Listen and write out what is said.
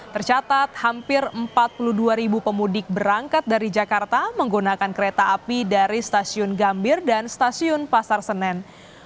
tercatat hampir empat puluh dua ribu pemudik berangkat dari jakarta menggunakan kereta api dari stasiun gambir dan stasiun pasar senen